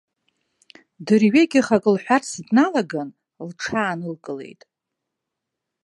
Дырҩегьых ак лҳәарц дналаган, лҽаанылкылеит.